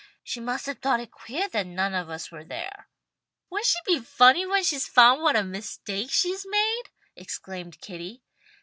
She must have thought it queah that none of us were there." "Won't she be funny when she's found what a mistake she's made!" exclaimed Kitty.